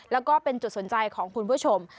แล้วก็เป็นจุดสนใจของคุณผู้ชม